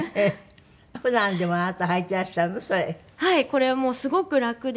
これもうすごく楽で。